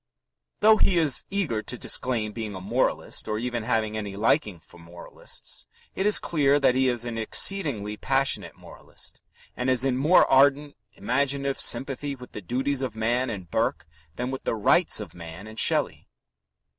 Though he is eager to disclaim being a moralist or even having any liking for moralists, it is clear that he is an exceedingly passionate moralist and is in more ardent imaginative sympathy with the duties of man and Burke than with the rights of man and Shelley.